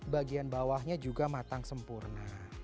bagian bawahnya juga matang sempurna